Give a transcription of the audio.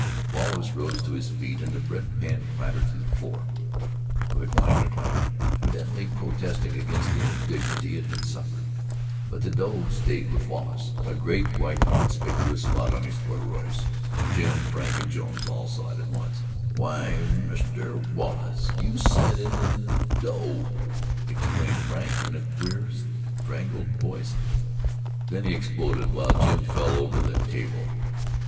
Wallace rose to his feet, and the bread pan clattered to the floor, with a clang and a clank, evidently protesting against the indignity it had suffered. But the dough stayed with Wallace, a great white conspicuous splotch on his corduroys. Jim, Frank and Jones all saw it at once. "Why Mr. Wal lace you set in the dough!" exclaimed Frank, in a queer, strangled voice. Then he exploded, while Jim fell over the table.